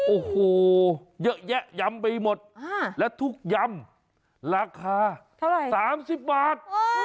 โอ้โหเยอะแยะยำไปหมดแล้วทุกยำราคา๓๐บาท